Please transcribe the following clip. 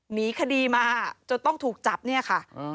หนีคดีมาจนต้องถูกจับเนี่ยค่ะ